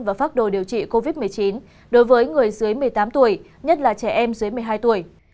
và phác đồ điều trị covid một mươi chín đối với người dưới một mươi tám tuổi nhất là trẻ em dưới một mươi hai tuổi